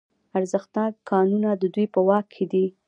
ارزښتناک کانونه د دوی په واک کې دي